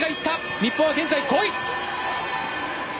日本は現在５位。